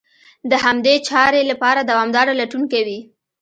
د همدې چارې لپاره دوامداره لټون کوي.